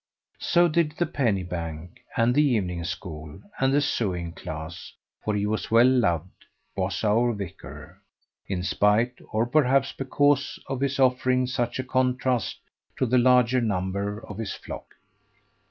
So did the penny bank, and the evening school, and the sewing class for he was well loved, was our vicar, in spite, or perhaps because, of his offering such a contrast to the larger number of his flock.